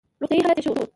روغتیايي حالت یې ښه وو.